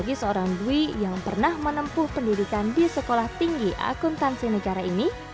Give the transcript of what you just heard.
bagi seorang dwi yang pernah menempuh pendidikan di sekolah tinggi akuntansi negara ini